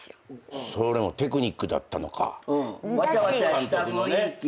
それもテクニックだったのか監督のね。